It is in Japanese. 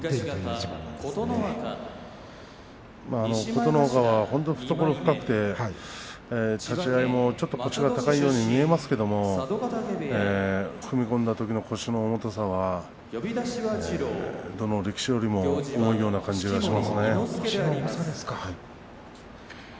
琴ノ若は本当に懐が深くて立ち合いはちょっと腰が高いように見えますけれども踏み込んだときの腰の重さというのはどの力士よりも重いような感じがしますね。